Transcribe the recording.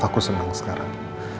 aku senang sekarang